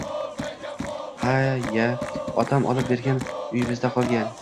Ha-ya, otam olib bergan uy bizda qolgan